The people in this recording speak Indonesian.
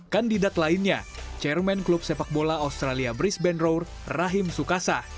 kandidat lainnya chairman klub sepak bola australia brisbane rour rahim sukasa